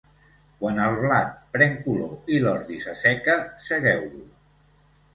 Quan el blat pren color i l'ordi s'asseca, segueu-lo.